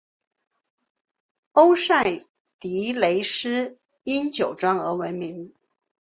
欧塞迪雷斯因酒庄而闻名。